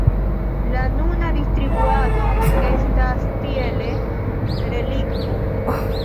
La nuna distribuado estas tiele relikvo.